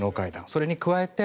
それに加えて